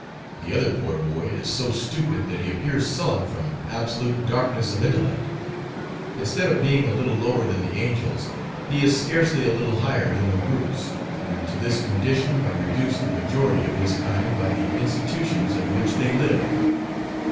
The other poor boy is so stupid that he appears sullen from absolute darkness of intellect; instead of being a little lower than the angels, he is scarcely a little higher than the brutes, and to this condition are reduced the majority of his kind by the institutions under which they live.